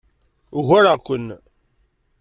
Ugareɣ-ken.